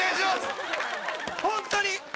ホントに！